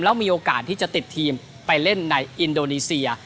แล้วมีโอกาสที่จะติดทีมไปเล่นในอินโดนีเซีย